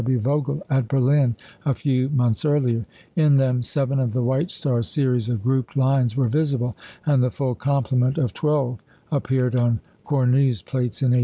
W. Vogel at Berlin a few months earlier. In them seven of the white star series of grouped lines were visible; and the full complement of twelve appeared on Cornu's plates in 1886.